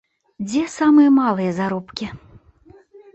Дзе самыя малыя заробкі?